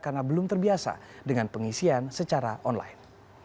karena belum terbiasa dengan pengisian secara online